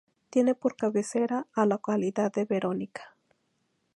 Tiene por cabecera a la localidad de Verónica.